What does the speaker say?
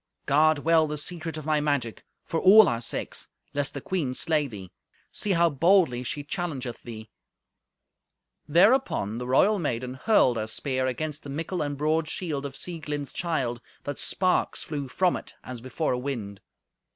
"Guard well the secret of my magic, for all our sakes, lest the queen slay thee. See how boldly she challengeth thee." Thereupon the royal maiden hurled her speak against the mickle and broad shield of Sieglind's child, that sparks flew from it, as before a wind.